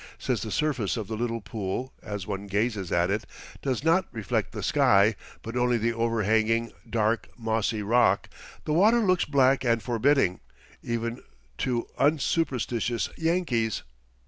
Since the surface of the little pool, as one gazes at it, does not reflect the sky, but only the overhanging, dark, mossy rock, the water looks black and forbidding, even to unsuperstitious Yankees.